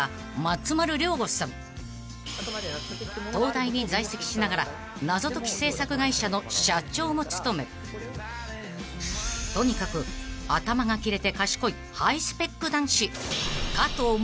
［東大に在籍しながら謎解き制作会社の社長も務めとにかく頭がキレて賢いハイスペック男子］